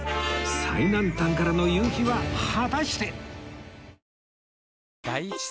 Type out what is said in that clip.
最南端からの夕日は果たして